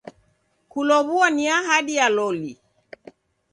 Kulow'ua ni ahadi ya loli.